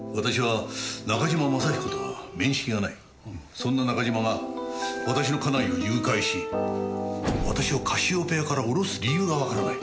そんな中島が私の家内を誘拐し私をカシオペアから降ろす理由がわからない。